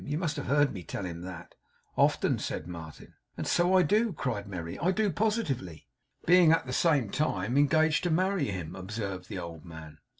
You must have heard me tell him that.' 'Often,' said Martin. 'And so I do,' cried Merry. 'I do positively.' 'Being at the same time engaged to marry him,' observed the old man.